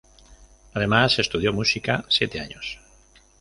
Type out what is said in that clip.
Además, estudió música siete años.